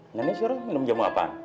nenek suruh minum jamu apa